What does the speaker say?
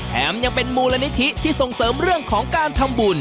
ยังเป็นมูลนิธิที่ส่งเสริมเรื่องของการทำบุญ